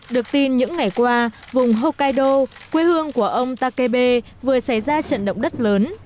được tin những ngày qua vùng hokaido quê hương của ông takebe vừa xảy ra trận động đất lớn